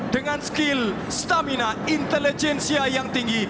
dengan skill stamina intelijensia yang tinggi